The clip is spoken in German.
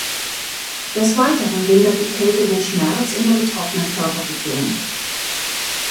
Des Weiteren lindert die Kälte den Schmerz in der betroffenen Körperregion.